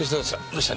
どうした？